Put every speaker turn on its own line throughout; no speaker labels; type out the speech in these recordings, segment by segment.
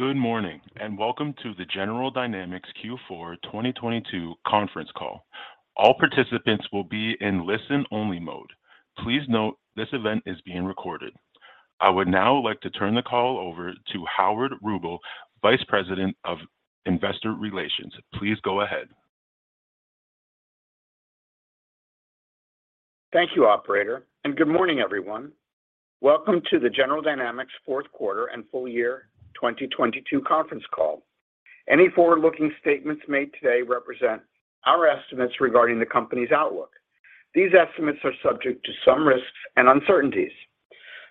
Good morning. Welcome to the General Dynamics Q4 2022 conference call. All participants will be in listen-only mode. Please note this event is being recorded. I would now like to turn the call over to Howard Rubel, Vice President of Investor Relations. Please go ahead.
Thank you, operator. Good morning, everyone. Welcome to the General Dynamics Q4 and full year 2022 conference call. Any forward-looking statements made today represent our estimates regarding the company's outlook. These estimates are subject to some risks and uncertainties.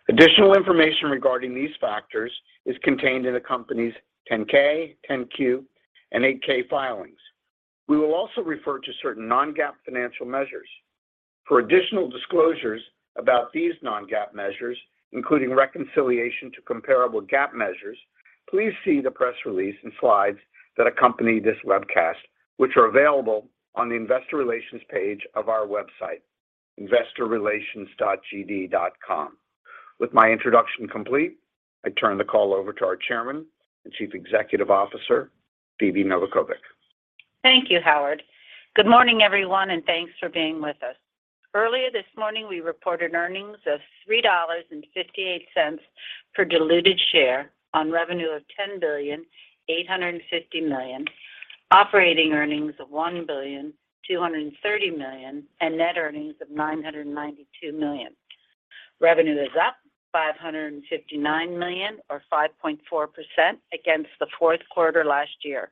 Additional information regarding these factors is contained in the company's 10-K, 10-Q, and 8-K filings. We will also refer to certain non-GAAP financial measures. For additional disclosures about these non-GAAP measures, including reconciliation to comparable GAAP measures, please see the press release and slides that accompany this webcast, which are available on the investor relations page of our website, investorrelations.gd.com. With my introduction complete, I turn the call over to our Chairman and Chief Executive Officer, Phebe Novakovic.
Thank you, Howard. Good morning, everyone, and thanks for being with us. Earlier this morning, we reported earnings of $3.58 per diluted share on revenue of $10,850 million, operating earnings of $1,230 million, and net earnings of $992 million. Revenue is up $559 million or 5.4% against the Q4 last year.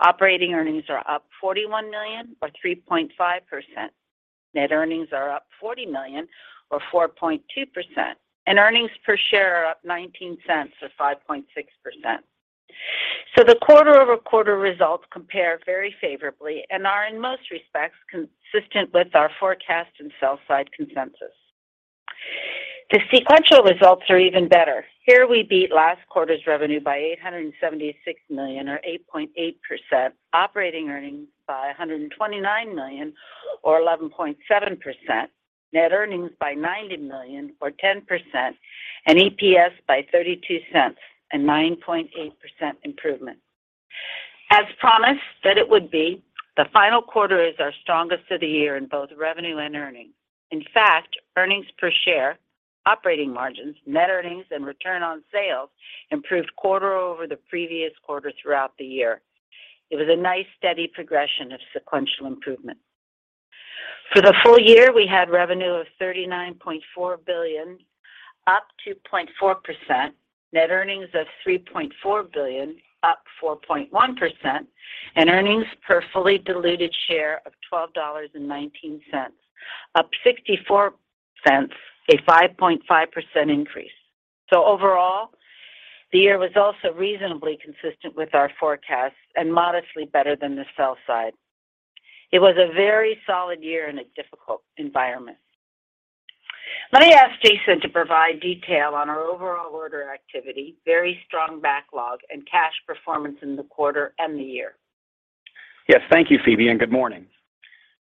Operating earnings are up $41 million or 3.5%. Net earnings are up $40 million or 4.2%, and earnings per share are up $0.19 or 5.6%. The quarter-over-quarter results compare very favorably and are in most respects consistent with our forecast and sell side consensus. The sequential results are even better. Here we beat last quarter's revenue by $876 million or 8.8%, operating earnings by $129 million or 11.7%, net earnings by $90 million or 10%, EPS by $0.32, a 9.8% improvement. As promised that it would be, the final quarter is our strongest of the year in both revenue and earnings. In fact, earnings per share, operating margins, net earnings, and return on sales improved quarter over the previous quarter throughout the year. It was a nice, steady progression of sequential improvement. For the full year, we had revenue of $39.4 billion, up 2.4%. Net earnings of $3.4 billion, up 4.1%. Earnings per fully diluted share of $12.19, up $0.64, a 5.5% increase. Overall, the year was also reasonably consistent with our forecasts and modestly better than the sell side. It was a very solid year in a difficult environment. Let me ask Jason to provide detail on our overall order activity, very strong backlog, and cash performance in the quarter and the year.
Yes. Thank you, Phebe. Good morning.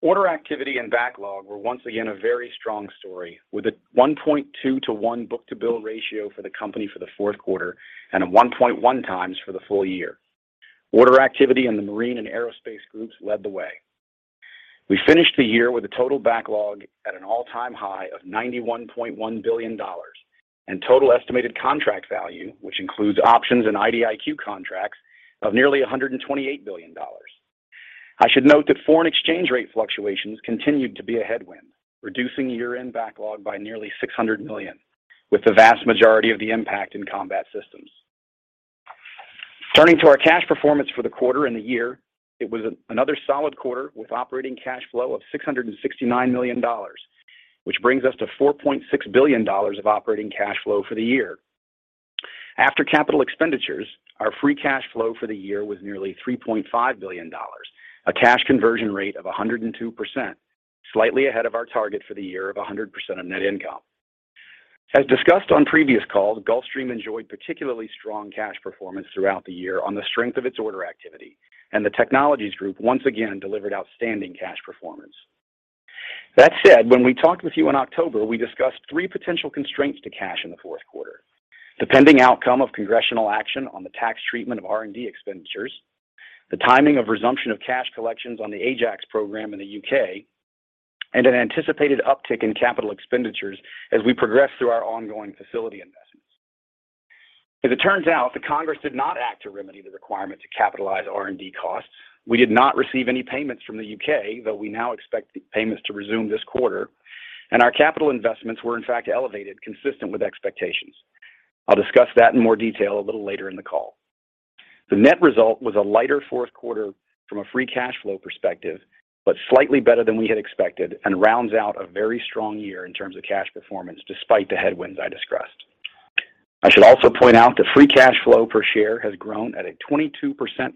Order activity and backlog were once again a very strong story with a 1.2 to 1 book-to-bill ratio for the company for the Q4 and 1.1 times for the full year. Order activity in the marine and aerospace groups led the way. We finished the year with a total backlog at an all-time high of $91.1 billion and total estimated contract value, which includes options and IDIQ contracts of nearly $128 billion. I should note that foreign exchange rate fluctuations continued to be a headwind, reducing year-end backlog by nearly $600 million with the vast majority of the impact in combat systems. Turning to our cash performance for the quarter and the year, it was another solid quarter with operating cash flow of $669 million, which brings us to $4.6 billion of operating cash flow for the year. After capital expenditures, our free cash flow for the year was nearly $3.5 billion, a cash conversion rate of 102%, slightly ahead of our target for the year of 100% of net income. As discussed on previous calls, Gulfstream enjoyed particularly strong cash performance throughout the year on the strength of its order activity, and the Technologies group once again delivered outstanding cash performance. That said, when we talked with you in October, we discussed three potential constraints to cash in the Q4. The pending outcome of congressional action on the tax treatment of R&D expenditures, the timing of resumption of cash collections on the Ajax program in the U.K., and an anticipated uptick in capital expenditures as we progress through our ongoing facility investments. As it turns out, the Congress did not act to remedy the requirement to capitalize R&D costs. We did not receive any payments from the U.K., though we now expect the payments to resume this quarter. Our capital investments were, in fact, elevated consistent with expectations. I'll discuss that in more detail a little later in the call. The net result was a lighter Q4 from a free cash flow perspective, but slightly better than we had expected and rounds out a very strong year in terms of cash performance despite the headwinds I discussed. I should also point out that free cash flow per share has grown at a 22%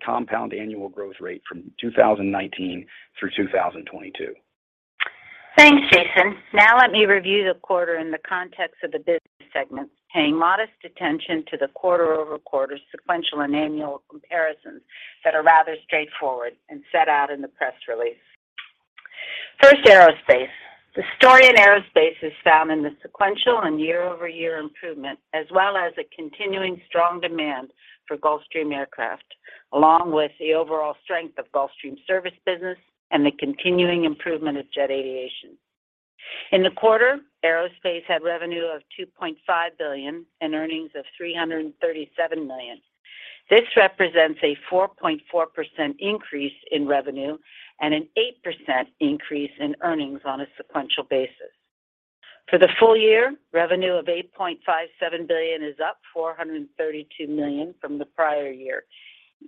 compound annual growth rate from 2019 through 2022.
Thanks, Jason. Let me review the quarter in the context of the business segments, paying modest attention to the quarter-over-quarter sequential and annual comparisons that are rather straightforward and set out in the press release. First, Aerospace. The story in Aerospace is found in the sequential and year-over-year improvement, as well as a continuing strong demand for Gulfstream aircraft, along with the overall strength of Gulfstream service business and the continuing improvement of Jet Aviation. In the quarter, Aerospace had revenue of $2.5 billion and earnings of $337 million. This represents a 4.4% increase in revenue and an 8% increase in earnings on a sequential basis. For the full year, revenue of $8.57 billion is up $432 million from the prior year,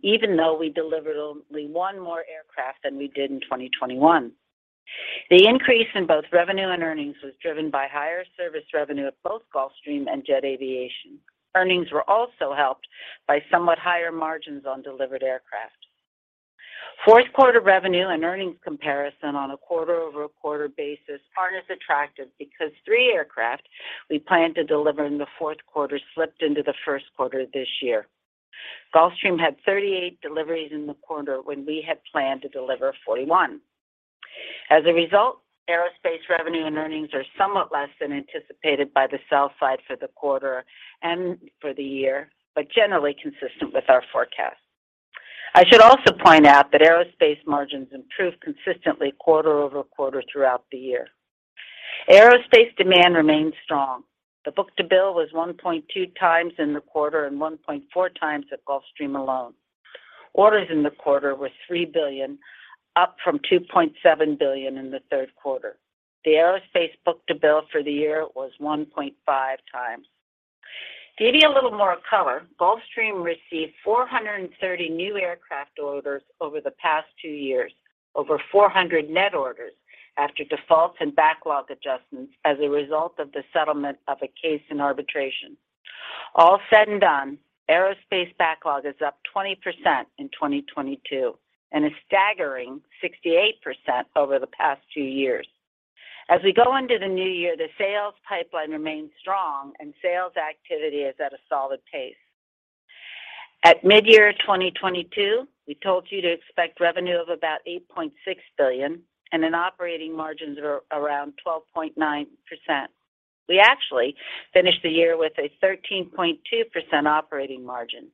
even though we delivered only one more aircraft than we did in 2021. The increase in both revenue and earnings was driven by higher service revenue at both Gulfstream and Jet Aviation. Earnings were also helped by somewhat higher margins on delivered aircraft. Q4 revenue and earnings comparison on a quarter-over-quarter basis aren't as attractive because three aircraft we planned to deliver in the Q4 slipped into the Q2 this year. Gulfstream had 38 deliveries in the quarter when we had planned to deliver 41. As a result, Aerospace revenue and earnings are somewhat less than anticipated by the sell side for the quarter and for the year, but generally consistent with our forecast. I should also point out that Aerospace margins improved consistently quarter-over-quarter throughout the year. Aerospace demand remains strong. The book-to-bill was 1.2 times in the quarter and 1.4 times at Gulfstream alone. Orders in the quarter were $3 billion, up from $2.7 billion in the Q3. The Aerospace book-to-bill for the year was 1.5 times. To give you a little more color, Gulfstream received 430 new aircraft orders over the past two years, over 400 net orders after defaults and backlog adjustments as a result of the settlement of a case in arbitration. All said and done, Aerospace backlog is up 20% in 2022, and a staggering 68% over the past two years. As we go into the new year, the sales pipeline remains strong and sales activity is at a solid pace. At mid-year 2022, we told you to expect revenue of about $8.6 billion and an operating margins of around 12.9%. We actually finished the year with a 13.2% operating margin.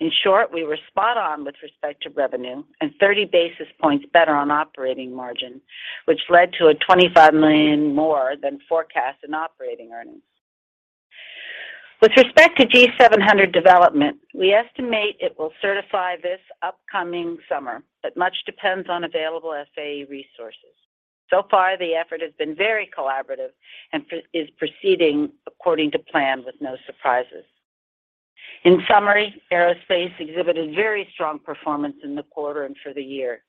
In short, we were spot on with respect to revenue and 30 basis points better on operating margin, which led to a $25 million more than forecast in operating earnings. With respect to G700 development, we estimate it will certify this upcoming summer, but much depends on available FAA resources. So far, the effort has been very collaborative and is proceeding according to plan with no surprises. In summary, Aerospace exhibited very strong performance in the quarter and for the year.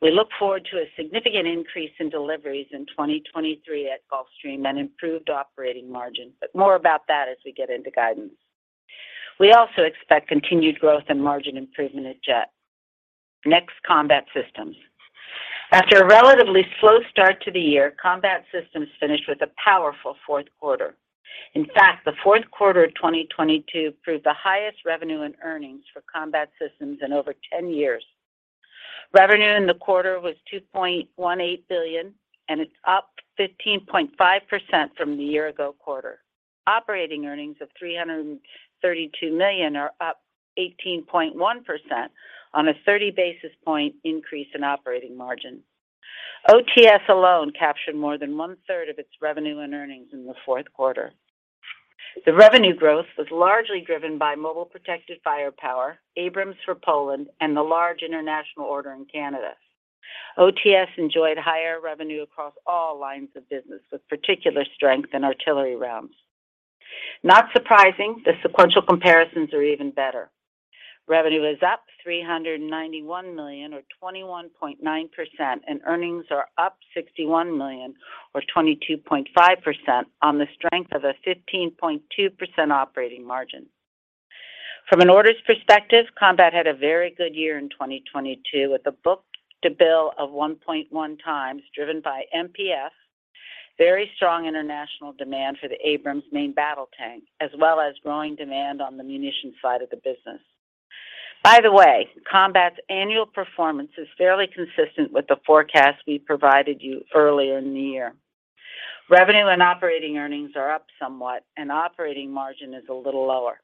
We look forward to a significant increase in deliveries in 2023 at Gulfstream and improved operating margin. More about that as we get into guidance. We also expect continued growth and margin improvement at Jet. Next, Combat Systems. After a relatively slow start to the year, Combat Systems finished with a powerful Q4. In fact, the Q4 of 2022 proved the highest revenue in earnings for Combat Systems in over 10 years. Revenue in the quarter was $2.18 billion. It's up 15.5% from the year-ago quarter. Operating earnings of $332 million are up 18.1% on a 30 basis point increase in operating margin. OTS alone captured more than 1/3 of its revenue and earnings in the Q4. The revenue growth was largely driven by Mobile Protected Firepower, Abrams for Poland, and the large international order in Canada. OTS enjoyed higher revenue across all lines of business, with particular strength in artillery rounds. Not surprising, the sequential comparisons are even better. Revenue is up $391 million or 21.9%, and earnings are up $61 million or 22.5% on the strength of a 15.2% operating margin. From an orders perspective, Combat had a very good year in 2022, with a book-to-bill of 1.1x driven by MPF, very strong international demand for the Abrams main battle tank, as well as growing demand on the munition side of the business. By the way, Combat's annual performance is fairly consistent with the forecast we provided you earlier in the year. Revenue and operating earnings are up somewhat and operating margin is a little lower.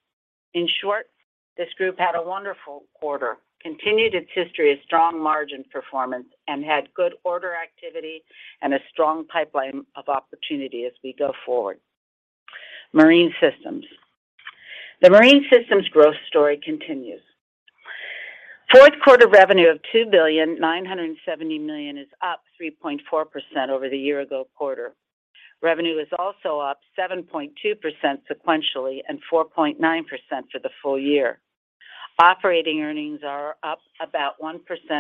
In short, this group had a wonderful quarter, continued its history of strong margin performance, and had good order activity and a strong pipeline of opportunity as we go forward. Marine Systems. The Marine Systems growth story continues. Q4 revenue of $2.97 billion is up 3.4% over the year-ago quarter. Revenue is also up 7.2% sequentially and 4.9% for the full year. Operating earnings are up about 1%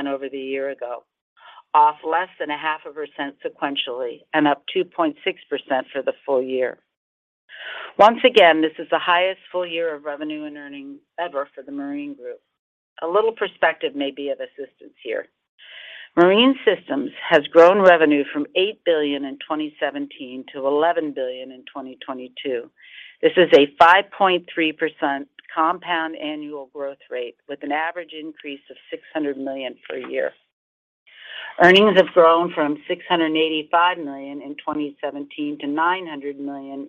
over the year-ago, off less than 0.5% sequentially, and up 2.6% for the full year. Once again, this is the highest full year of revenue and earnings ever for the Marine group. A little perspective may be of assistance here. Marine Systems has grown revenue from $8 billion in 2017 to $11 billion in 2022. This is a 5.3% compound annual growth rate with an average increase of $600 million per year. Earnings have grown from $685 million in 2017 to $900 million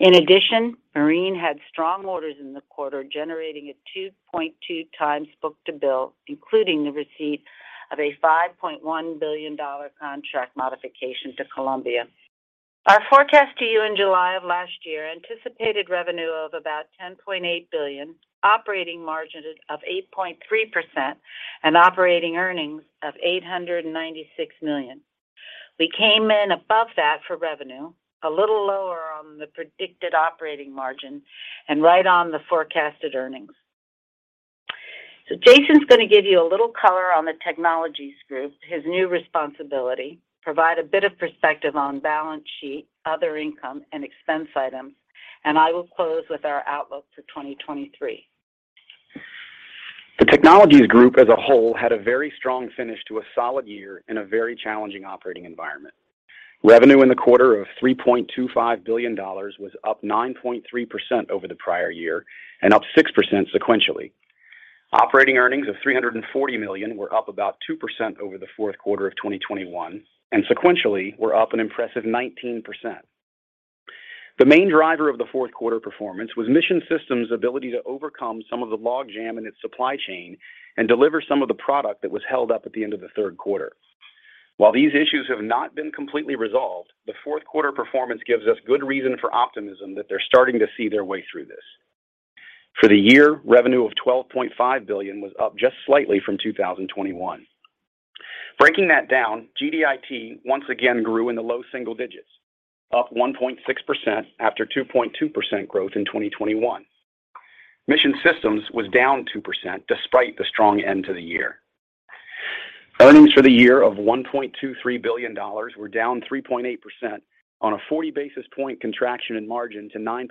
in 2022, a 5.5% compound annual growth rate. Marine had strong orders in the quarter, generating a 2.2 times book-to-bill, including the receipt of a $5.1 billion contract modification to Columbia. Our forecast to you in July of last year anticipated revenue of about $10.8 billion, operating margin of 8.3%, and operating earnings of $896 million. We came in above that for revenue, a little lower on the predicted operating margin, and right on the forecasted earnings. Jason's gonna give you a little color on the technologies group, his new responsibility, provide a bit of perspective on balance sheet, other income, and expense items, and I will close with our outlook for 2023.
The Technologies group as a whole had a very strong finish to a solid year in a very challenging operating environment. Revenue in the quarter of $3.25 billion was up 9.3% over the prior year and up 6% sequentially. Operating earnings of $340 million were up about 2% over the Q4 of 2021, sequentially were up an impressive 19%. The main driver of the Q4 performance was Mission Systems ability to overcome some of the logjam in its supply chain and deliver some of the product that was held up at the end of the Q3. While these issues have not been completely resolved, the Q4 performance gives us good reason for optimism that they're starting to see their way through this. For the year, revenue of $12.5 billion was up just slightly from 2021. Breaking that down, GDIT once again grew in the low single digits. Up 1.6% after 2.2% growth in 2021. Mission Systems was down 2% despite the strong end to the year. Earnings for the year of $1.23 billion were down 3.8% on a 40 basis point contraction in margin to 9.8%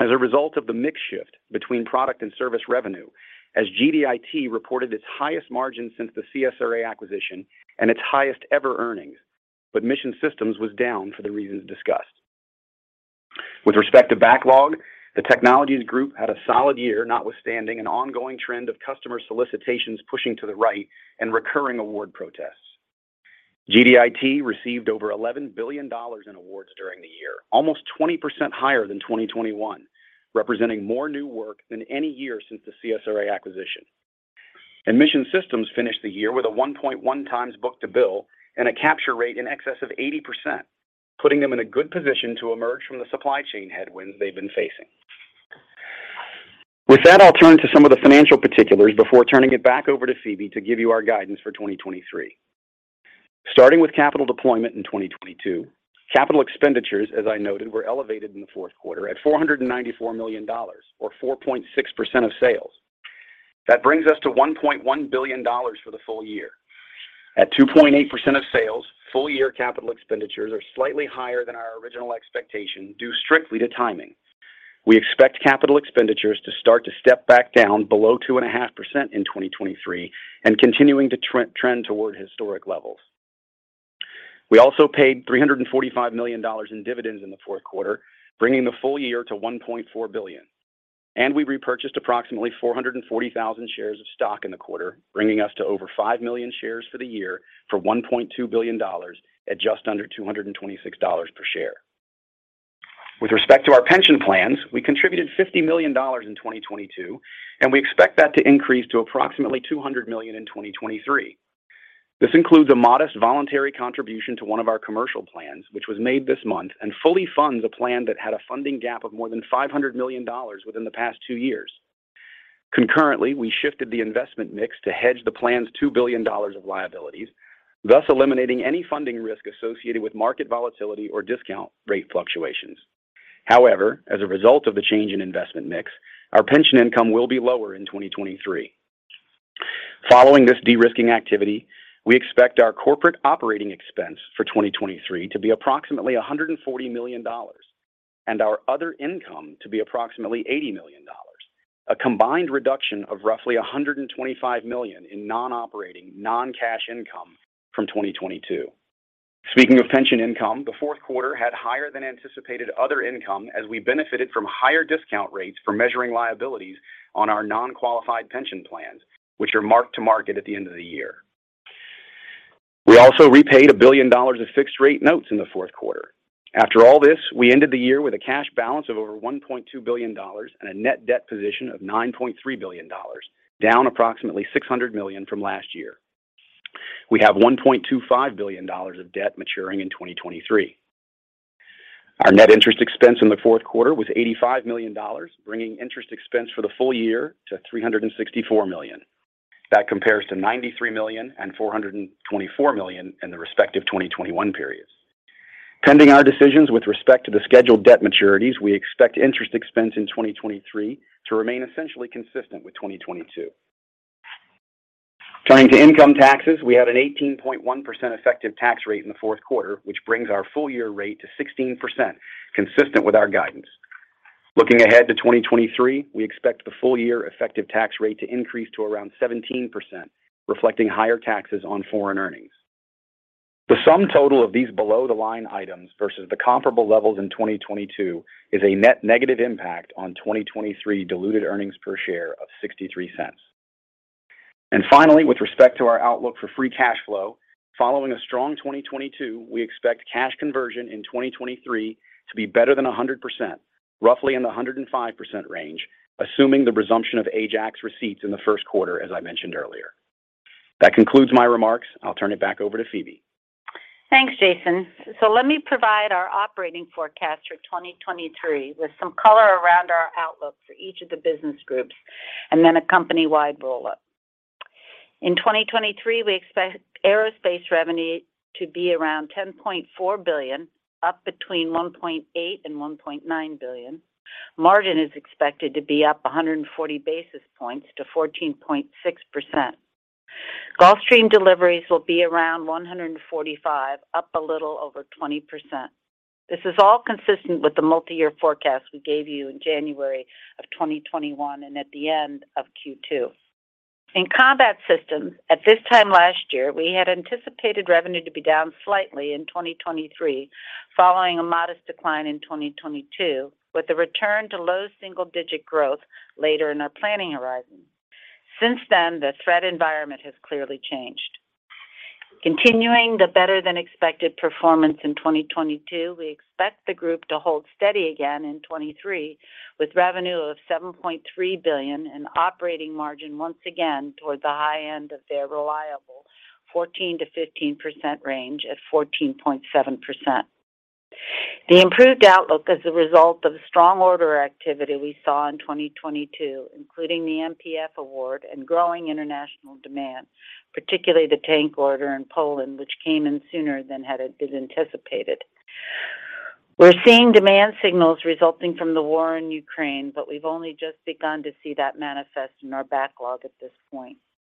as a result of the mix shift between product and service revenue as GDIT reported its highest margin since the CSRA acquisition and its highest ever earnings, but Mission Systems was down for the reasons discussed. With respect to backlog, the technologies group had a solid year, notwithstanding an ongoing trend of customer solicitations pushing to the right and recurring award protests. GDIT received over $11 billion in awards during the year, almost 20% higher than 2021, representing more new work than any year since the CSRA acquisition. Mission Systems finished the year with a 1.1 times book-to-bill and a capture rate in excess of 80%, putting them in a good position to emerge from the supply chain headwinds they've been facing. With that, I'll turn to some of the financial particulars before turning it back over to Phebe to give you our guidance for 2023. Starting with capital deployment in 2022. Capital expenditures, as I noted, were elevated in the Q4 at $494 million or 4.6% of sales. That brings us to $1.1 billion for the full year. At 2.8% of sales, full year capital expenditures are slightly higher than our original expectation due strictly to timing. We expect capital expenditures to start to step back down below 2.5% in 2023 and continuing to trend toward historic levels. We also paid $345 million in dividends in the Q4, bringing the full year to $1.4 billion. We repurchased approximately 440,000 shares of stock in the quarter, bringing us to over 5 million shares for the year for $1.2 billion at just under $226 per share. With respect to our pension plans, we contributed $50 million in 2022, we expect that to increase to approximately $200 million in 2023. This includes a modest voluntary contribution to one of our commercial plans, which was made this month and fully funds a plan that had a funding gap of more than $500 million within the past two years. Concurrently, we shifted the investment mix to hedge the plan's $2 billion of liabilities, thus eliminating any funding risk associated with market volatility or discount rate fluctuations. As a result of the change in investment mix, our pension income will be lower in 2023. Following this de-risking activity, we expect our corporate operating expense for 2023 to be approximately $140 million, and our other income to be approximately $80 million, a combined reduction of roughly $125 million in non-operating, non-cash income from 2022. Speaking of pension income, the Q4 had higher than anticipated other income as we benefited from higher discount rates for measuring liabilities on our non-qualified pension plans, which are marked to market at the end of the year. We also repaid $1 billion of fixed rate notes in the Q4. After all this, we ended the year with a cash balance of over $1.2 billion and a net debt position of $9.3 billion, down approximately $600 million from last year. We have $1.25 billion of debt maturing in 2023. Our net interest expense in the Q4 was $85 million, bringing interest expense for the full year to $364 million. That compares to $93 million and $424 million in the respective 2021 periods. Pending our decisions with respect to the scheduled debt maturities, we expect interest expense in 2023 to remain essentially consistent with 2022. Turning to income taxes, we had an 18.1% effective tax rate in the Q4, which brings our full year rate to 16%, consistent with our guidance. Looking ahead to 2023, we expect the full year effective tax rate to increase to around 17%, reflecting higher taxes on foreign earnings. The sum total of these below-the-line items versus the comparable levels in 2022 is a net negative impact on 2023 diluted earnings per share of $0.63. Finally, with respect to our outlook for free cash flow, following a strong 2022, we expect cash conversion in 2023 to be better than 100%, roughly in the 105% range, assuming the resumption of Ajax receipts in the Q2, as I mentioned earlier. That concludes my remarks. I'll turn it back over to Phebe.
Thanks, Jason. Let me provide our operating forecast for 2023 with some color around our outlook for each of the business groups and then a company-wide roll-up. In 2023, we expect aerospace revenue to be around $10.4 billion, up between $1.8 billion and $1.9 billion. Margin is expected to be up 140 basis points to 14.6%. Gulfstream deliveries will be around 145, up a little over 20%. This is all consistent with the multi-year forecast we gave you in January 2021 and at the end of Q2. In combat systems, at this time last year, we had anticipated revenue to be down slightly in 2023 following a modest decline in 2022, with a return to low single-digit growth later in our planning horizon. Since then, the threat environment has clearly changed. Continuing the better-than-expected performance in 2022, we expect the group to hold steady again in 2023, with revenue of $7.3 billion and operating margin once again toward the high end of their reliable 14%-15% range at 14.7%. The improved outlook is the result of strong order activity we saw in 2022, including the MPF award and growing international demand, particularly the tank order in Poland, which came in sooner than had been anticipated. We've only just begun to see that manifest in our backlog at this point.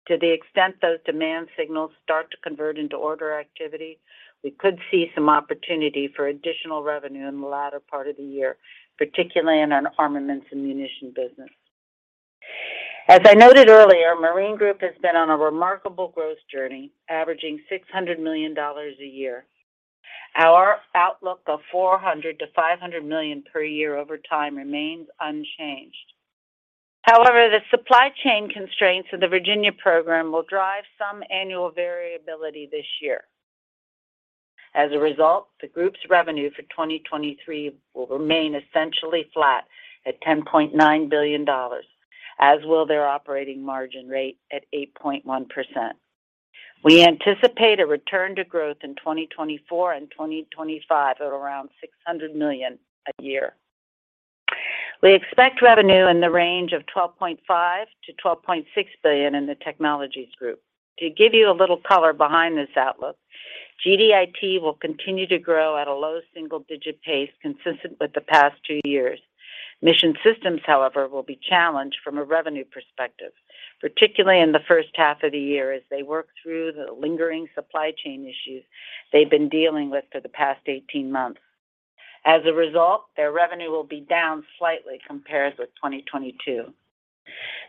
To the extent those demand signals start to convert into order activity, we could see some opportunity for additional revenue in the latter part of the year, particularly in our armaments and munition business. As I noted earlier, Marine Group has been on a remarkable growth journey, averaging $600 million a year. Our outlook of $400-$500 million per year over time remains unchanged. However, the supply chain constraints of the Virginia program will drive some annual variability this year. As a result, the group's revenue for 2023 will remain essentially flat at $10.9 billion, as will their operating margin rate at 8.1%. We anticipate a return to growth in 2024 and 2025 at around $600 million a year. We expect revenue in the range of $12.5 -$12.6 billion in the Technologies group. To give you a little color behind this outlook, GDIT will continue to grow at a low single-digit pace consistent with the past two years. Mission Systems, however, will be challenged from a revenue perspective, particularly in the H1 of the year as they work through the lingering supply chain issues they've been dealing with for the past 18 months. As a result, their revenue will be down slightly compared with 2022.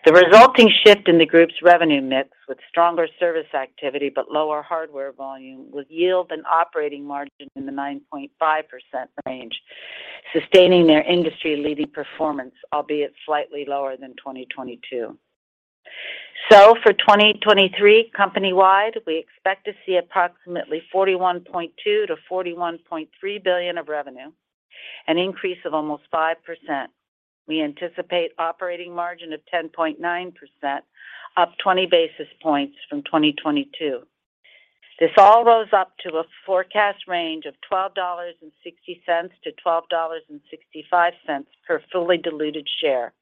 The resulting shift in the group's revenue mix with stronger service activity but lower hardware volume will yield an operating margin in the 9.5% range, sustaining their industry-leading performance, albeit slightly lower than 2022. For 2023 company-wide, we expect to see approximately $41.2-$41.3 billion of revenue, an increase of almost 5%. We anticipate operating margin of 10.9%, up 20 basis points from 2022. This all goes up to a forecast range of $12.60-$12.65 per fully diluted share.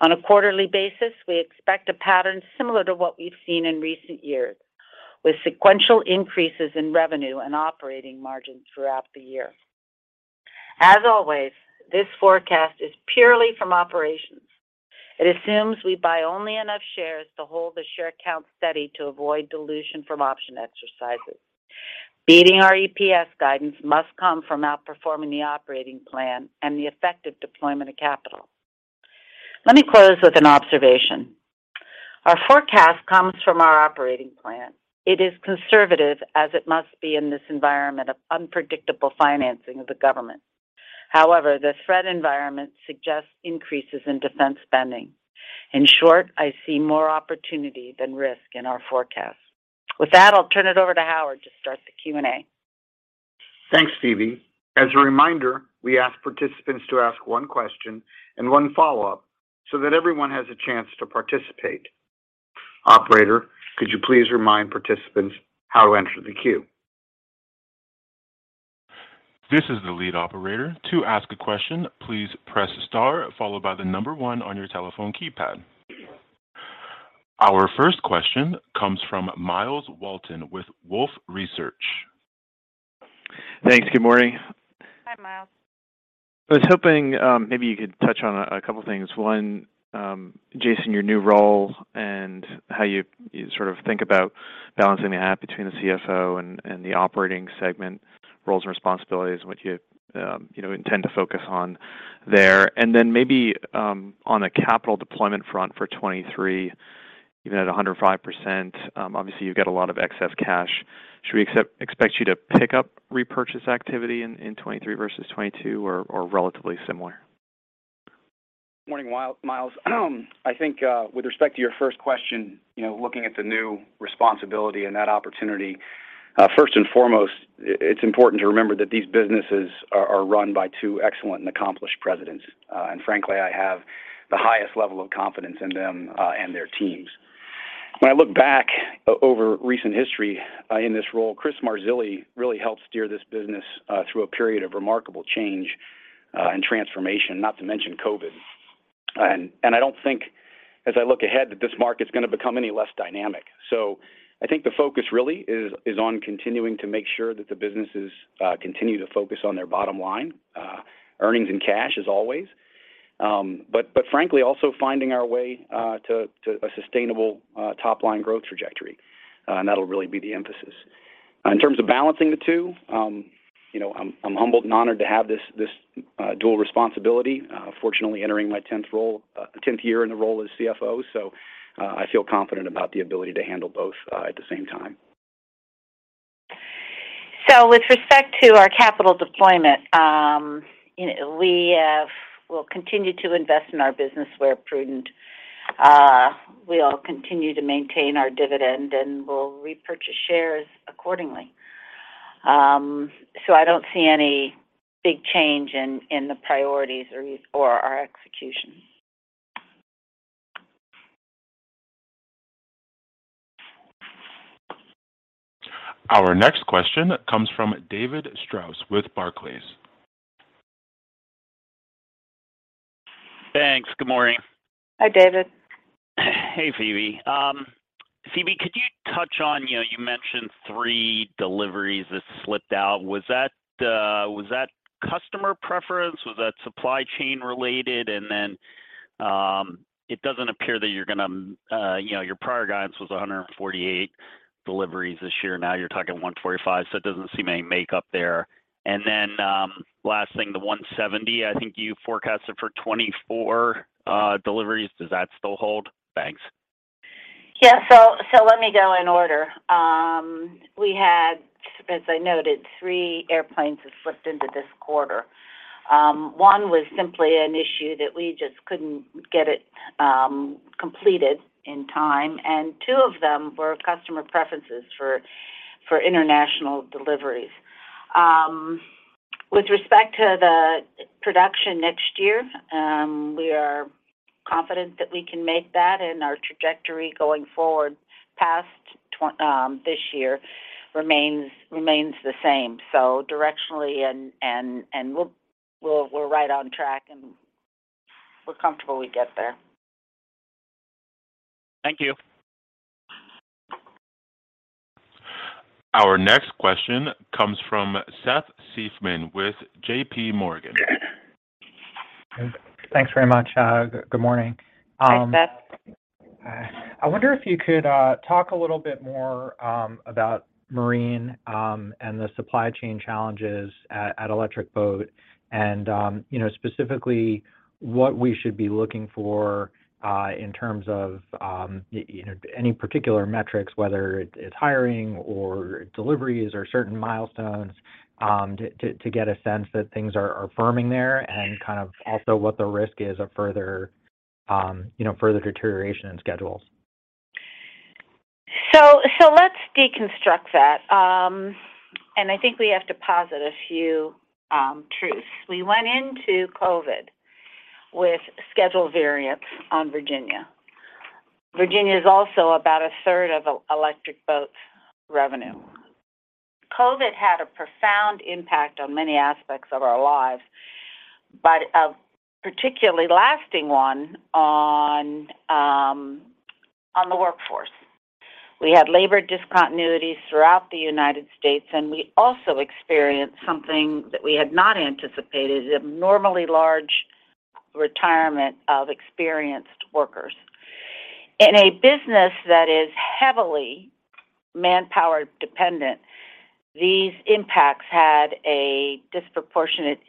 On a quarterly basis, we expect a pattern similar to what we've seen in recent years, with sequential increases in revenue and operating margin throughout the year. As always, this forecast is purely from operations. It assumes we buy only enough shares to hold the share count steady to avoid dilution from option exercises. Beating our EPS guidance must come from outperforming the operating plan and the effective deployment of capital. Let me close with an observation. Our forecast comes from our operating plan. It is conservative as it must be in this environment of unpredictable financing of the government. However, the threat environment suggests increases in defense spending. In short, I see more opportunity than risk in our forecast. With that, I'll turn it over to Howard to start the Q&A.
Thanks, Phebe. As a reminder, we ask participants to ask one question and one follow-up so that everyone has a chance to participate. Operator, could you please remind participants how to enter the queue?
This is the lead operator. To ask a question, please press star followed by one on your telephone keypad. Our first question comes from Myles Walton with Wolfe Research.
Thanks. Good morning.
Hi, Myles.
I was hoping, maybe you could touch on a couple things. One, Jason, your new role and how you sort of think about balancing the act between the CFO and the operating segment roles and responsibilities and what you know, intend to focus on there. Then maybe on a capital deployment front for 2023. Even at 105%, obviously you've got a lot of excess cash. Should we expect you to pick up repurchase activity in 2023 versus 2022 or relatively similar?
Morning, Myles. I think, with respect to your first question, you know, looking at the new responsibility and that opportunity, first and foremost, it's important to remember that these businesses are run by two excellent and accomplished presidents. Frankly, I have the highest level of confidence in them and their teams. When I look back over recent history, in this role, Christopher Marzilli really helped steer this business through a period of remarkable change and transformation, not to mention COVID. I don't think, as I look ahead, that this market's gonna become any less dynamic. I think the focus really is on continuing to make sure that the businesses continue to focus on their bottom line, earnings and cash as always. Frankly, also finding our way to a sustainable top-line growth trajectory. That'll really be the emphasis. In terms of balancing the two, you know, I'm humbled and honored to have this dual responsibility. Fortunately entering my tenth year in the role as CFO, so I feel confident about the ability to handle both at the same time.
With respect to our capital deployment, you know, we'll continue to invest in our business where prudent. We'll continue to maintain our dividend, and we'll repurchase shares accordingly. I don't see any big change in the priorities or our execution.
Our next question comes from David Strauss with Barclays.
Thanks. Good morning.
Hi, David.
Hey, Phebe. Phebe, could you touch on, you know, you mentioned 3 deliveries that slipped out. Was that, was that customer preference? Was that supply chain related? It doesn't appear that you're gonna, you know, your prior guidance was 148 deliveries this year. Now you're talking 145, it doesn't seem any makeup there. Last thing, the 170, I think you forecasted for 2024 deliveries. Does that still hold? Thanks.
Yeah. let me go in order. We had, as I noted, three airplanes that slipped into this quarter. One was simply an issue that we just couldn't get it completed in time, and two of them were customer preferences for international deliveries. With respect to the production next year, we are confident that we can make that and our trajectory going forward past this year remains the same. Directionally and we're right on track, and we're comfortable we get there.
Thank you.
Our next question comes from Seth Seifman with J.P. Morgan.
Thanks very much. good morning.
Hi, Seth.
I wonder if you could talk a little bit more about Marine and the supply chain challenges at Electric Boat. You know, specifically what we should be looking for in terms of, you know, any particular metrics, whether it's hiring or deliveries or certain milestones, to get a sense that things are firming there and kind of also what the risk is of further deterioration in schedules.
Let's deconstruct that. And I think we have to posit a few truths. We went into COVID with schedule variance on Virginia. Virginia is also about a third of Electric Boat's revenue. COVID had a profound impact on many aspects of our lives, but a particularly lasting one on the workforce. We had labor discontinuities throughout the United States, and we also experienced something that we had not anticipated, abnormally large retirement of experienced workers. In a business that is heavily manpower dependent, these impacts had a disproportionate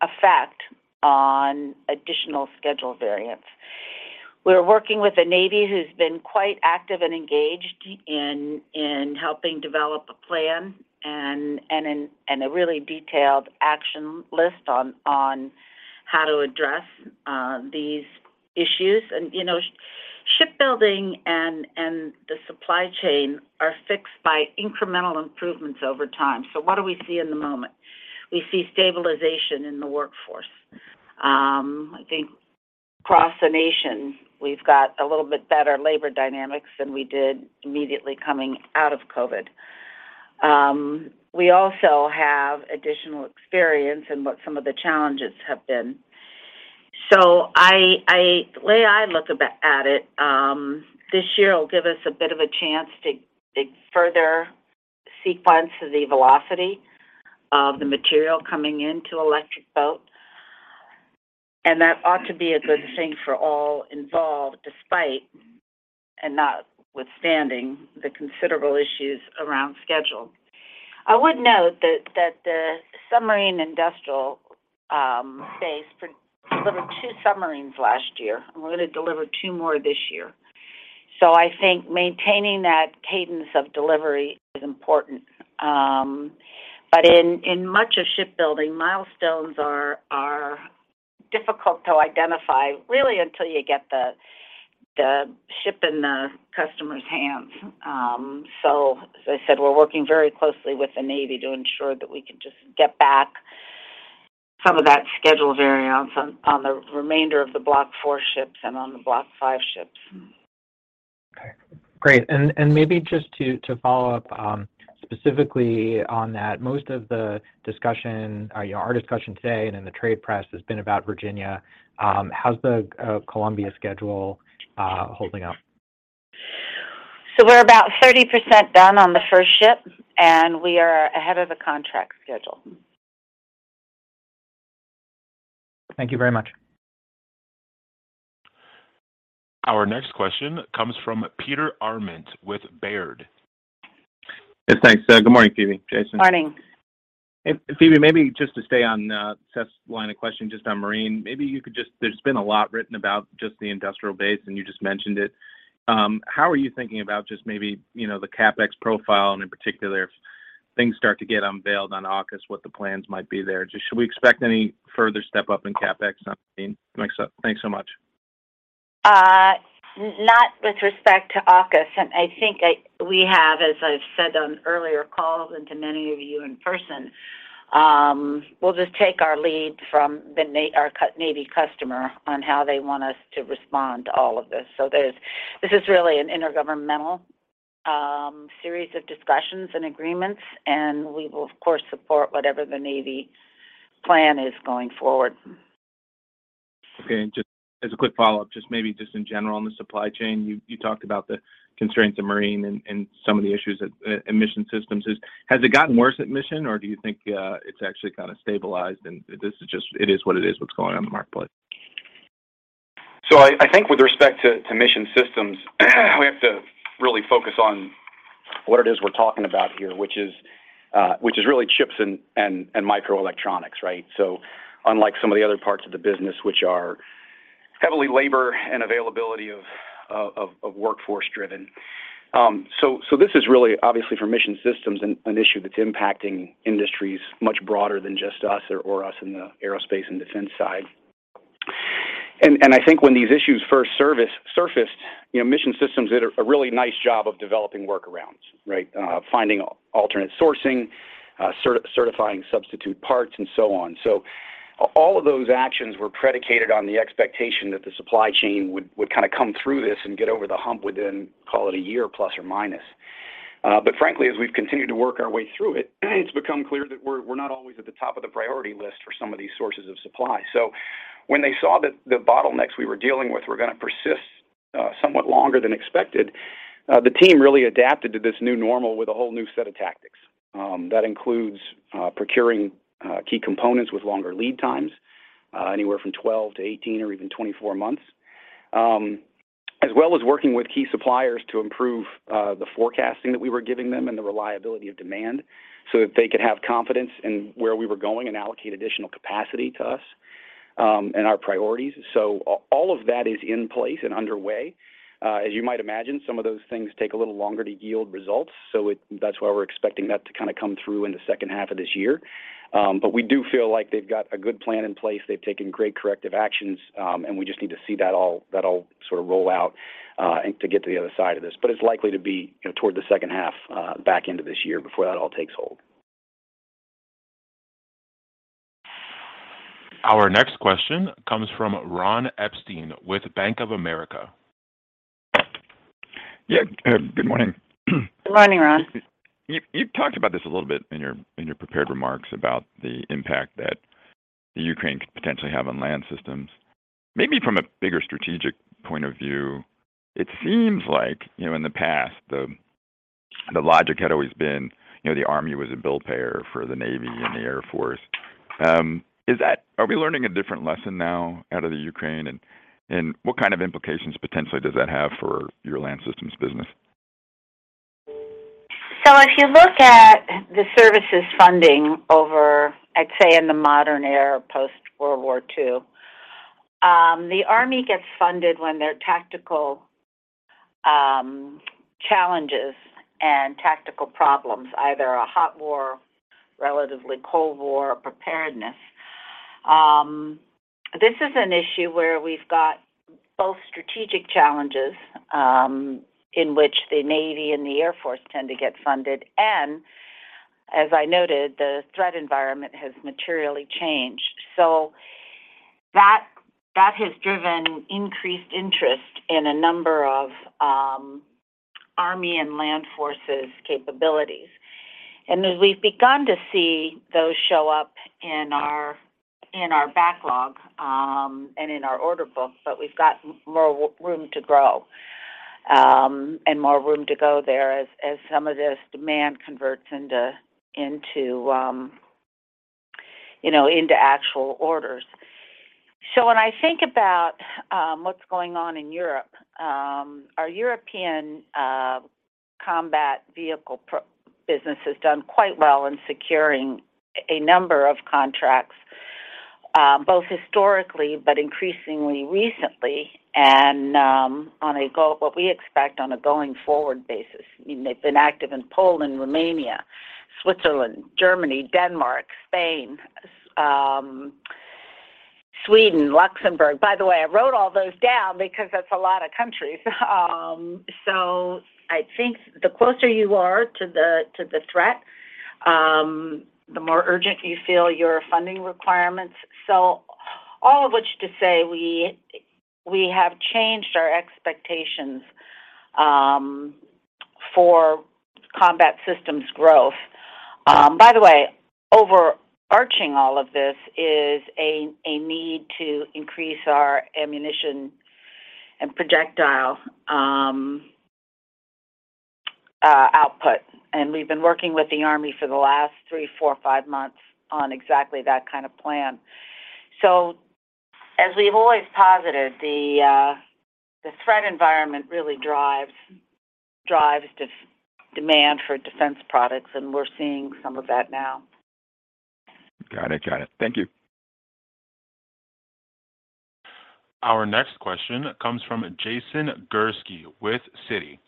effect on additional schedule variance. We're working with the Navy, who's been quite active and engaged in helping develop a plan and a really detailed action list on how to address these issues. You know, shipbuilding and the supply chain are fixed by incremental improvements over time. What do we see in the moment? We see stabilization in the workforce. I think across the nation we've got a little bit better labor dynamics than we did immediately coming out of COVID. We also have additional experience in what some of the challenges have been. The way I look at it, this year will give us a bit of a chance to further sequence the velocity of the material coming into Electric Boat, and that ought to be a good thing for all involved, despite and notwithstanding the considerable issues around schedule. I would note that the submarine industrial base for delivered two submarines last year, and we're gonna deliver two more this year. I think maintaining that cadence of delivery is important. In much of shipbuilding, milestones are difficult to identify really until you get the ship in the customer's hands. As I said, we're working very closely with the Navy to ensure that we can just get back some of that schedule variance on the remainder of the Block IV ships and on the Block V ships.
Okay, great. Maybe just to follow up, specifically on that, most of the discussion, or you know, our discussion today and in the trade press has been about Virginia. How's the Columbia schedule holding up?
we're about 30% done on the first ship, and we are ahead of the contract schedule.
Thank you very much.
Our next question comes from Peter Arment with Baird.
Yes, thanks. Good morning, Phebe, Jason.
Morning.
Phebe, maybe just to stay on Seth's line of questioning just on Marine, maybe you could. There's been a lot written about just the industrial base, and you just mentioned it. How are you thinking about just maybe, you know, the CapEx profile and in particular if things start to get unveiled on AUKUS, what the plans might be there? Just should we expect any further step up in CapEx on Marine? Thanks so much.
Not with respect to AUKUS. I think we have, as I've said on earlier calls and to many of you in person, we'll just take our lead from the Navy customer on how they want us to respond to all of this. This is really an intergovernmental series of discussions and agreements, we will of course support whatever the Navy plan is going forward.
Okay. Just as a quick follow-up, just maybe just in general on the supply chain, you talked about the constraints of Marine and some of the issues at Mission Systems. Has it gotten worse at Mission, or do you think it's actually kind of stabilized, and this is just, it is what it is, what's going on in the marketplace?
I think with respect to Mission Systems, we have to really focus on what it is we're talking about here, which is really chips and microelectronics, right? Unlike some of the other parts of the business, which are heavily labor and availability of workforce driven. This is really obviously for Mission Systems an issue that's impacting industries much broader than just us or us in the aerospace and defense side. I think when these issues first surfaced, you know, Mission Systems did a really nice job of developing workarounds, right? Finding alternate sourcing, certifying substitute parts and so on. All of those actions were predicated on the expectation that the supply chain would kind of come through this and get over the hump within, call it a year plus or minus. Frankly, as we've continued to work our way through it's become clear that we're not always at the top of the priority list for some of these sources of supply. When they saw that the bottlenecks we were dealing with were gonna persist, somewhat longer than expected, the team really adapted to this new normal with a whole new set of tactics. That includes procuring key components with longer lead times, anywhere from 12-18 or even 24 months, as well as working with key suppliers to improve the forecasting that we were giving them and the reliability of demand so that they could have confidence in where we were going and allocate additional capacity to us, and our priorities. All of that is in place and underway. As you might imagine, some of those things take a little longer to yield results, so that's why we're expecting that to kind of come through in the H2 of this year. We do feel like they've got a good plan in place. They've taken great corrective actions, and we just need to see that all sort of roll out, and to get to the other side of this. It's likely to be, you know, toward the H2, back end of this year before that all takes hold.
Our next question comes from Ron Epstein with Bank of America.
Yeah. Good morning.
Good morning, Ron.
You talked about this a little bit in your prepared remarks about the impact that the Ukraine could potentially have on Land Systems. Maybe from a bigger strategic point of view, it seems like, you know, in the past, the logic had always been, you know, the Army was a bill payer for the Navy and the Air Force. Are we learning a different lesson now out of the Ukraine, and what kind of implications potentially does that have for your Land Systems business?
If you look at the services funding over, I'd say in the modern era post-World War II, the Army gets funded when their tactical challenges and tactical problems, either a hot war, relatively cold war preparedness. This is an issue where we've got both strategic challenges, in which the Navy and the Air Force tend to get funded, and as I noted, the threat environment has materially changed. That, that has driven increased interest in a number of Army and land forces capabilities. As we've begun to see those show up in our, in our backlog, and in our order book, but we've got more room to grow, and more room to go there as some of this demand converts into, you know, into actual orders. When I think about what's going on in Europe, our European combat vehicle business has done quite well in securing a number of contracts, both historically, but increasingly recently and what we expect on a going forward basis. I mean, they've been active in Poland, Romania, Switzerland, Germany, Denmark, Spain, Sweden, Luxembourg. By the way, I wrote all those down because that's a lot of countries. I think the closer you are to the, to the threat, the more urgent you feel your funding requirements. All of which to say we have changed our expectations for combat systems growth. By the way, overarching all of this is a need to increase our ammunition and projectile output. We've been working with the Army for the last three, four, five months on exactly that kind of plan. As we've always posited, the threat environment really drives de-demand for defense products, and we're seeing some of that now.
Got it. Got it. Thank you.
Our next question comes from Jason Gursky with Citi.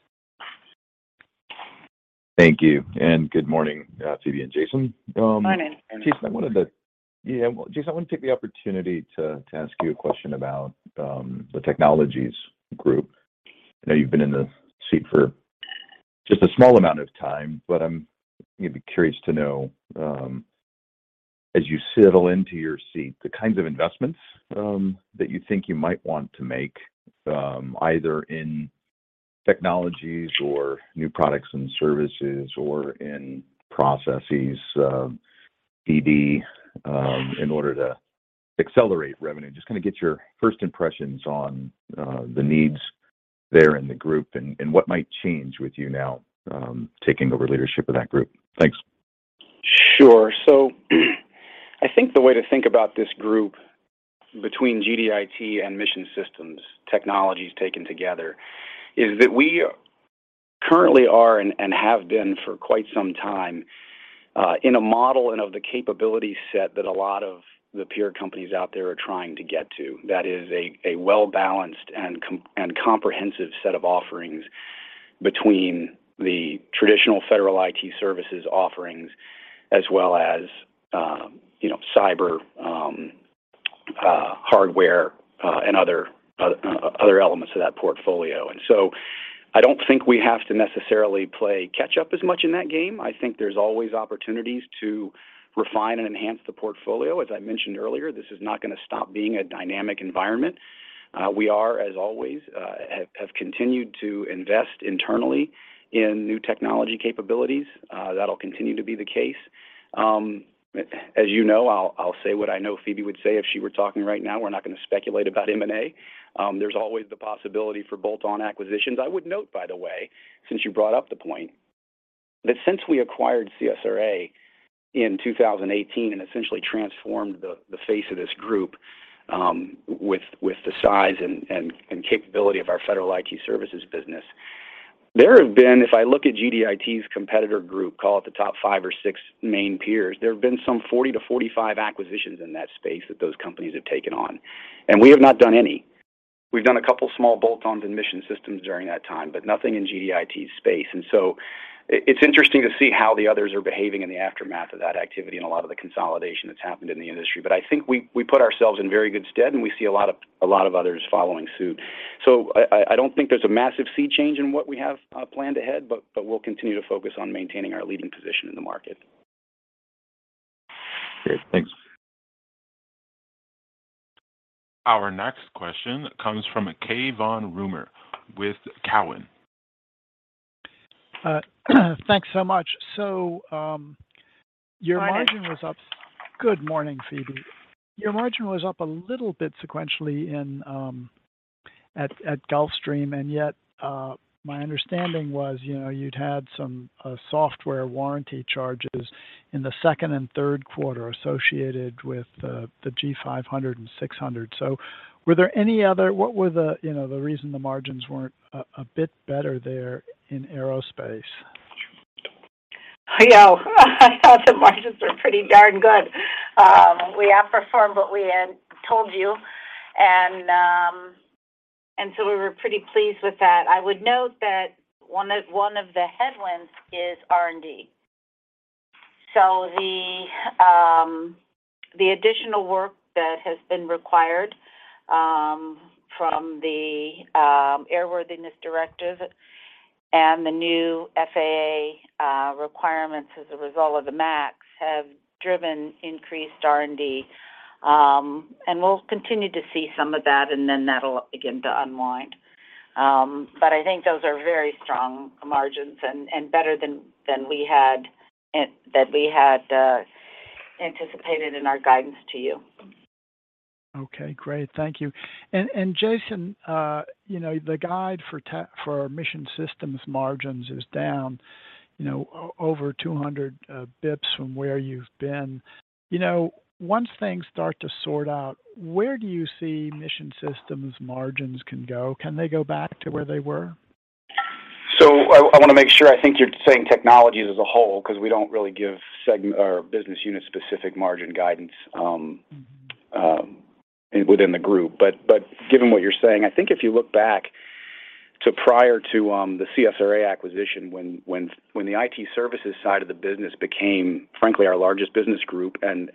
Thank you, good morning, Phebe and Jason.
Morning.
Jason, I want to take the opportunity to ask you a question about the Technologies group. I know you've been in the seat for just a small amount of time, but I'm, you know, be curious to know, as you settle into your seat, the kinds of investments that you think you might want to make, either in technologies or new products and services or in processes, PD, in order to accelerate revenue. Just kind of get your first impressions on the needs there in the group and what might change with you now, taking over leadership of that group. Thanks.
Sure. I think the way to think about this group between GDIT and Mission Systems technologies taken together is that we currently are and have been for quite some time, in a model and of the capability set that a lot of the peer companies out there are trying to get to. That is a well-balanced and comprehensive set of offerings between the traditional federal IT services offerings as well as, you know, cyber, hardware, and other elements of that portfolio. I don't think we have to necessarily play catch up as much in that game. I think there's always opportunities to refine and enhance the portfolio. As I mentioned earlier, this is not gonna stop being a dynamic environment. We are, as always, have continued to invest internally in new technology capabilities. That'll continue to be the case. As you know, I'll say what I know Phebe would say if she were talking right now. We're not going to speculate about M&A. There's always the possibility for bolt-on acquisitions. I would note, by the way, since you brought up the point, that since we acquired CSRA in 2018 and essentially transformed the face of this group with the size and capability of our federal IT services business. There have been, if I look at GDIT's competitor group, call it the top five or six main peers, there have been some 40-45 acquisitions in that space that those companies have taken on, and we have not done any. We've done a couple small bolt-ons in Mission Systems during that time, but nothing in GDIT's space. It's interesting to see how the others are behaving in the aftermath of that activity and a lot of the consolidation that's happened in the industry. I think we put ourselves in very good stead, and we see a lot of others following suit. I don't think there's a massive sea change in what we have planned ahead, but we'll continue to focus on maintaining our leading position in the market.
Great. Thanks.
Our next question comes from Cai von Rumohr with Cowen.
thanks so much. your margin was.
Morning.
Good morning, Phebe. Your margin was up a little bit sequentially in at Gulfstream, yet, my understanding was, you know, you'd had some software warranty charges in the second and third quarter associated with the G500 and G600. What were the, you know, the reason the margins weren't a bit better there in aerospace?
I thought the margins were pretty darn good. We outperformed what we had told you and we were pretty pleased with that. I would note that one of, one of the headwinds is R&D. The additional work that has been required from the airworthiness directive and the new FAA requirements as a result of the MAX have driven increased R&D, and we'll continue to see some of that, and then that'll begin to unwind. I think those are very strong margins and better than that we had anticipated in our guidance to you.
Okay, great. Thank you. Jason, you know, the guide for our Mission Systems margins is down, you know, over 200 basis points from where you've been. You know, once things start to sort out, where do you see Mission Systems margins can go? Can they go back to where they were?
I wanna make sure, I think you're saying Technologies as a whole, because we don't really give segment or business unit-specific margin guidance within the group. Given what you're saying, I think if you look back to prior to the CSRA acquisition when the IT services side of the business became, frankly, our largest business group and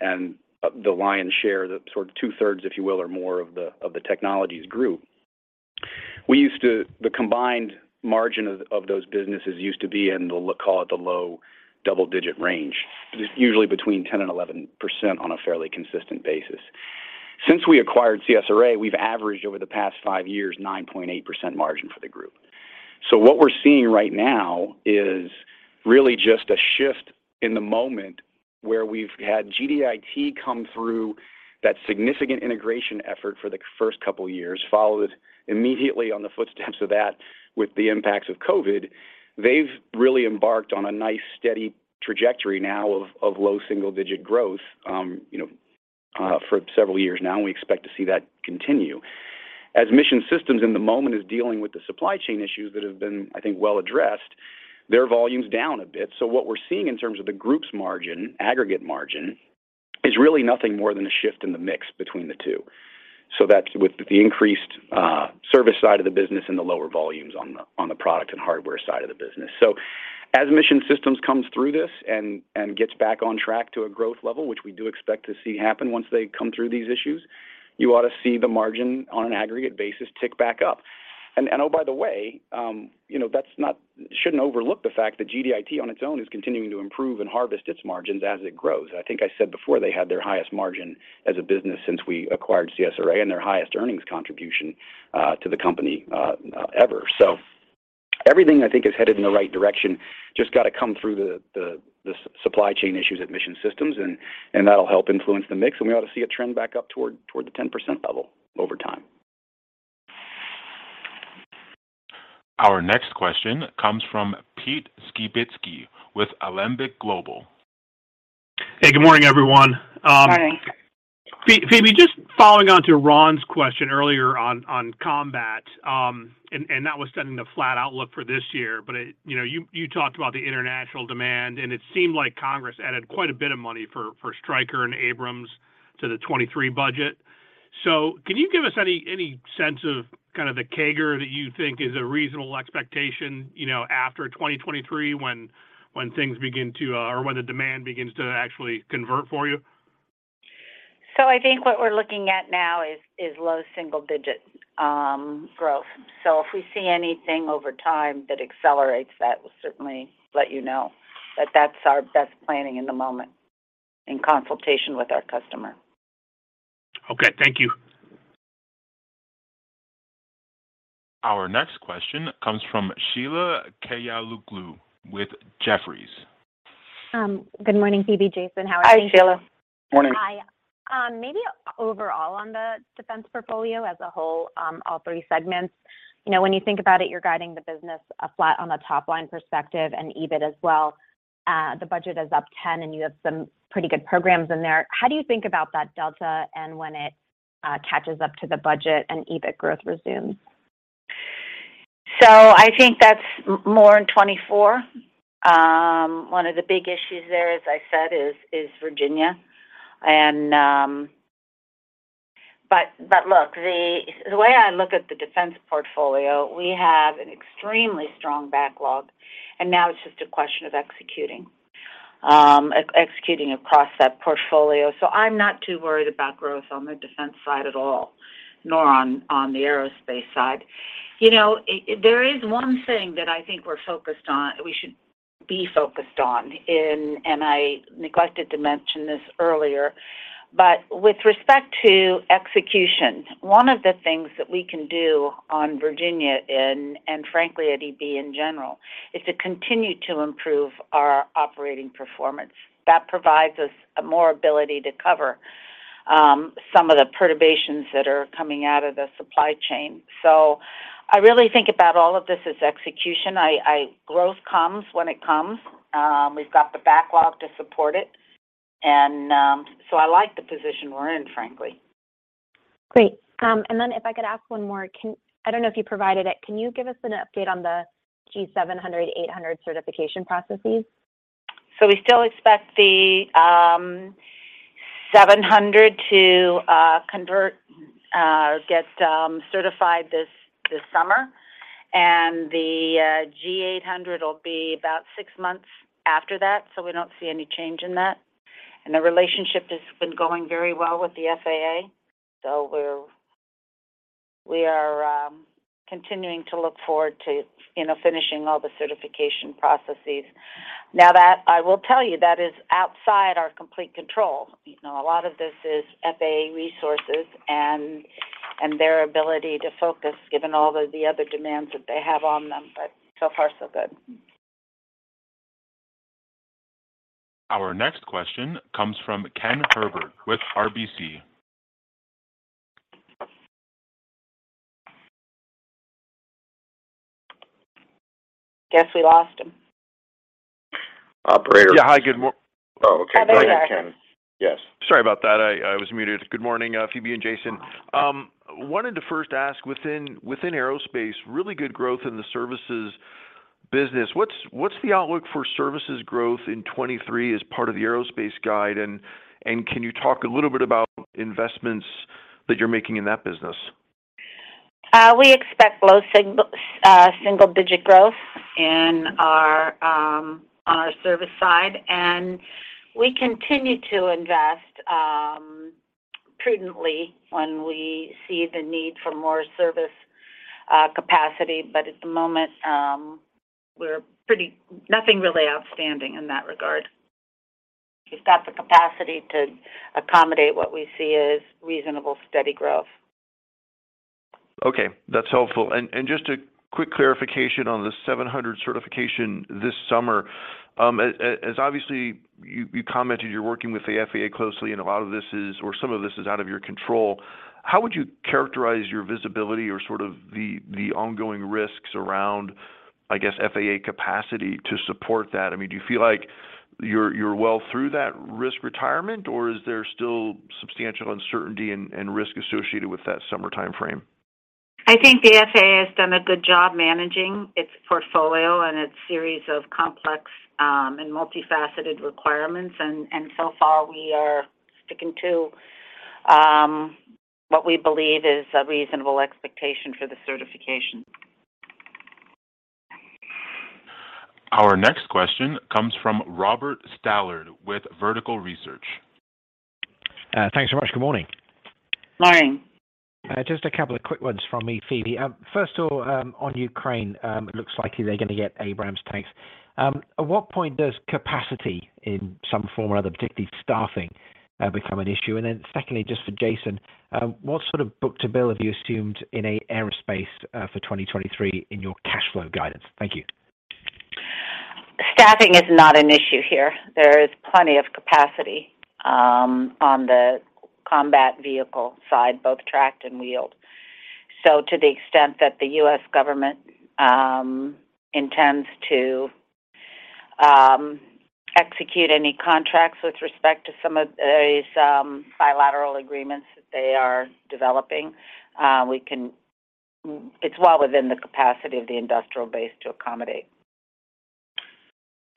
the lion's share, the sort of two-thirds, if you will, or more of the Technologies group. The combined margin of those businesses used to be in the low, call it the low double-digit range. Usually between 10% and 11% on a fairly consistent basis. Since we acquired CSRA, we've averaged over the past 5 years 9.8% margin for the group. What we're seeing right now is really just a shift in the moment where we've had GDIT come through that significant integration effort for the first couple of years, followed immediately on the footsteps of that with the impacts of COVID. They've really embarked on a nice, steady trajectory now of low single-digit growth, you know, for several years now, and we expect to see that continue. As Mission Systems in the moment is dealing with the supply chain issues that have been, I think, well addressed, their volume's down a bit. What we're seeing in terms of the group's margin, aggregate margin, is really nothing more than a shift in the mix between the two. That's with the increased service side of the business and the lower volumes on the product and hardware side of the business. As Mission Systems comes through this and gets back on track to a growth level, which we do expect to see happen once they come through these issues, you ought to see the margin on an aggregate basis tick back up. Oh, by the way, you know, shouldn't overlook the fact that GDIT on its own is continuing to improve and harvest its margins as it grows. I think I said before, they had their highest margin as a business since we acquired CSRA and their highest earnings contribution to the company ever. Everything I think is headed in the right direction. Just gotta come through the supply chain issues at Mission Systems, and that'll help influence the mix, and we ought to see a trend back up toward the 10% level over time.
Our next question comes from Peter Skibitskiy with Alembic Global.
Hey, good morning, everyone.
Morning.
Phebe, just following on to Ron's question earlier on combat, and that was setting the flat outlook for this year. It, you know, you talked about the international demand, and it seemed like Congress added quite a bit of money for Stryker and Abrams to the 2023 budget. Can you give us any sense of kind of the CAGR that you think is a reasonable expectation, you know, after 2023 when things begin to or when the demand begins to actually convert for you?
I think what we're looking at now is low single-digit growth. If we see anything over time that accelerates that, we'll certainly let you know. That's our best planning in the moment in consultation with our customer.
Okay. Thank you.
Our next question comes from Sheila Kahyaoglu with Jefferies.
Good morning, Phebe, Jason. How are you?
Hi, Sheila.
Morning.
Hi. maybe overall on the defense portfolio as a whole, all three segments. You know, when you think about it, you're guiding the business flat on the top line perspective and EBIT as well. The budget is up 10, you have some pretty good programs in there. How do you think about that delta and when it catches up to the budget and EBIT growth resumes?
I think that's more in 24. One of the big issues there, as I said, is Virginia. Look, the way I look at the defense portfolio, we have an extremely strong backlog, and now it's just a question of executing across that portfolio. I'm not too worried about growth on the defense side at all, nor on the aerospace side. You know, there is one thing that I think we're focused on, we should be focused on in, and I neglected to mention this earlier. With respect to execution, one of the things that we can do on Virginia and frankly, at EB in general, is to continue to improve our operating performance. That provides us more ability to cover some of the perturbations that are coming out of the supply chain. I really think about all of this as execution. Growth comes when it comes. We've got the backlog to support it. I like the position we're in, frankly.
Great. If I could ask one more. I don't know if you provided it. Can you give us an update on the G700, G800 certification processes?
We still expect the G700 to convert or get certified this summer. The G800 will be about six months after that, so we don't see any change in that. The relationship has been going very well with the FAA, so we're, we are continuing to look forward to, you know, finishing all the certification processes. Now that, I will tell you, that is outside our complete control. You know, a lot of this is FAA resources and their ability to focus given all the other demands that they have on them, but so far, so good.
Our next question comes from Ken Herbert with RBC.
Guess we lost him.
Operator.
Yeah. Hi.
Oh, okay.
There you are.
Go ahead, Ken. Yes.
Sorry about that. I was muted. Good morning, Phebe and Jason. Wanted to first ask within aerospace, really good growth in the services business. What's the outlook for services growth in 2023 as part of the aerospace guide? Can you talk a little bit about investments that you're making in that business?
We expect low single-digit growth in our on our service side. We continue to invest prudently when we see the need for more service capacity. At the moment, nothing really outstanding in that regard. We've got the capacity to accommodate what we see as reasonable, steady growth.
Okay, that's helpful. Just a quick clarification on the 700 certification this summer. As obviously you commented you're working with the FAA closely, and a lot of this is, or some of this is out of your control. How would you characterize your visibility or sort of the ongoing risks around, I guess, FAA capacity to support that? I mean, do you feel like you're well through that risk retirement, or is there still substantial uncertainty and risk associated with that summer timeframe?
I think the FAA has done a good job managing its portfolio and its series of complex, and multifaceted requirements. So far we are sticking to, what we believe is a reasonable expectation for the certification.
Our next question comes from Robert Stallard with Vertical Research.
Thanks so much. Good morning.
Morning.
Just a couple of quick ones from me, Phebe. First all, on Ukraine, it looks likely they're gonna get Abrams tanks. At what point does capacity in some form or other, particularly staffing, become an issue? Secondly, just for Jason, what sort of book-to-bill have you assumed in aerospace for 2023 in your cash flow guidance? Thank you.
Staffing is not an issue here. There is plenty of capacity on the combat vehicle side, both tracked and wheeled. To the extent that the U.S. government intends to execute any contracts with respect to some of these bilateral agreements that they are developing, we can. It's well within the capacity of the industrial base to accommodate.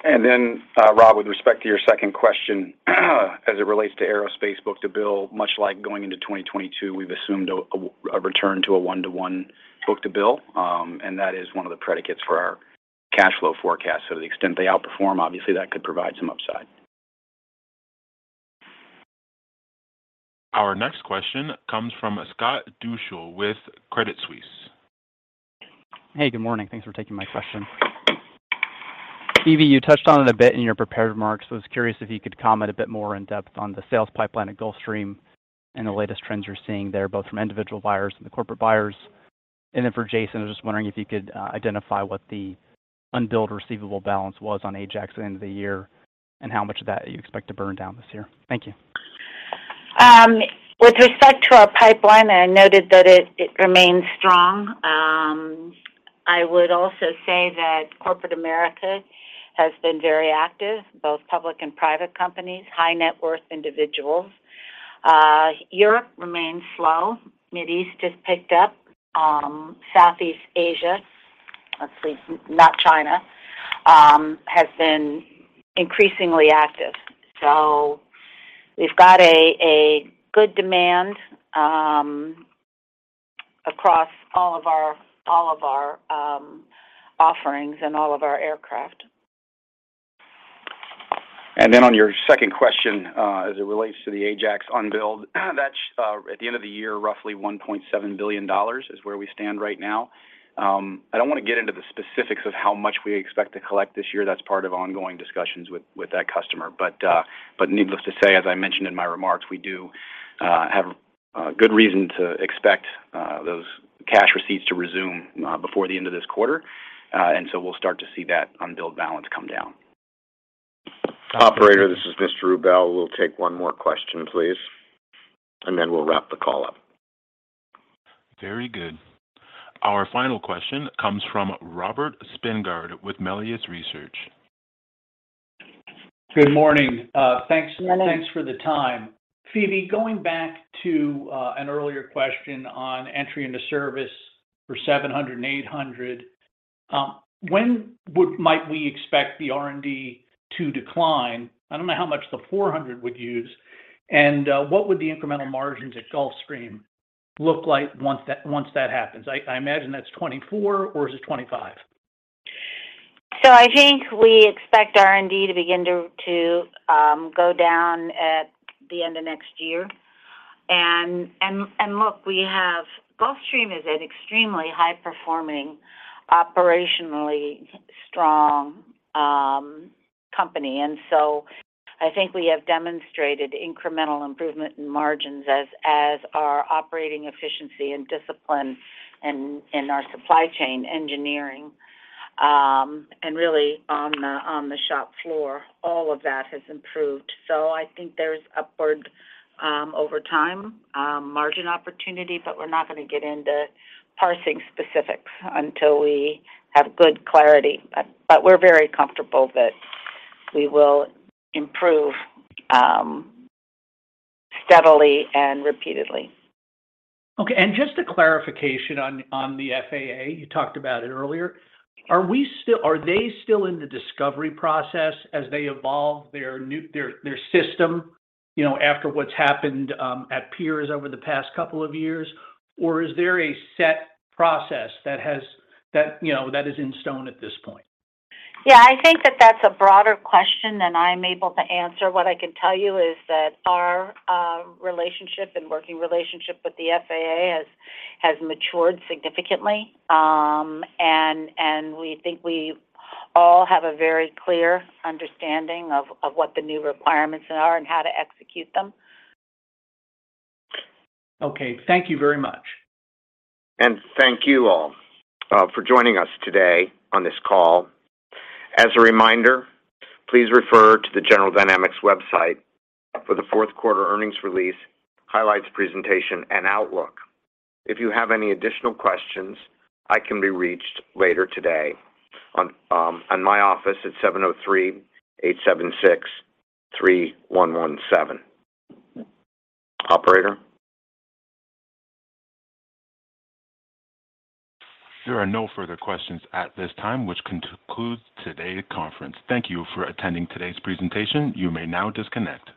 Rob, with respect to your second question, as it relates to aerospace book-to-bill, much like going into 2022, we've assumed a return to a one-to-one book-to-bill. That is one of the predicates for our cash flow forecast. To the extent they outperform, obviously that could provide some upside.
Our next question comes from Scott Deuschle with Credit Suisse.
Hey, good morning. Thanks for taking my question. Phebe, you touched on it a bit in your prepared remarks. I was curious if you could comment a bit more in depth on the sales pipeline at Gulfstream and the latest trends you're seeing there, both from individual buyers and the corporate buyers. For Jason, I'm just wondering if you could identify what the unbilled receivable balance was on Ajax at the end of the year and how much of that you expect to burn down this year. Thank you.
With respect to our pipeline, I noted that it remains strong. I would also say that corporate America has been very active, both public and private companies, high net worth individuals. Europe remains slow. Mideast has picked up. Southeast Asia, let's leave not China, has been increasingly active. We've got a good demand across all of our offerings and all of our aircraft.
On your second question, as it relates to the Ajax unbilled, that's at the end of the year, roughly $1.7 billion is where we stand right now. I don't wanna get into the specifics of how much we expect to collect this year. That's part of ongoing discussions with that customer. Needless to say, as I mentioned in my remarks, we do have good reason to expect those cash receipts to resume before the end of this quarter. We'll start to see that unbilled balance come down.
Operator, this is Mr. Rubel. We'll take one more question, please. We'll wrap the call up.
Very good. Our final question comes from Robert Spingarn with Melius Research.
Good morning.
Good morning.
Thanks for the time. Phebe, going back to an earlier question on entry into service for G700 and G800. Might we expect the R&D to decline? I don't know how much the G400 would use. What would the incremental margins at Gulfstream look like once that happens? I imagine that's 2024 or is it 2025?
I think we expect R&D to begin to go down at the end of next year. look, we have... Gulfstream is an extremely high-performing, operationally strong company. I think we have demonstrated incremental improvement in margins as our operating efficiency and discipline in our supply chain engineering. Really on the shop floor, all of that has improved. I think there's upward over time margin opportunity. We're not gonna get into parsing specifics until we have good clarity. we're very comfortable that we will improve steadily and repeatedly.
Okay. Just a clarification on the FAA, you talked about it earlier. Are they still in the discovery process as they evolve their system, you know, after what's happened at Peers over the past couple of years? Is there a set process that, you know, that is in stone at this point?
Yeah, I think that that's a broader question than I'm able to answer. What I can tell you is that our relationship and working relationship with the FAA has matured significantly. We think we all have a very clear understanding of what the new requirements are and how to execute them.
Okay. Thank you very much.
Thank you all for joining us today on this call. As a reminder, please refer to the General Dynamics website for the Q4 earnings release, highlights presentation, and outlook. If you have any additional questions, I can be reached later today on my office at 703-876-3117. Operator?
There are no further questions at this time, which concludes today's conference. Thank you for attending today's presentation. You may now disconnect.